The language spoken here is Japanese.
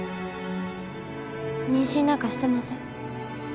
妊娠なんかしてません。